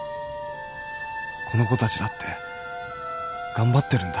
この子たちだってがんばってるんだ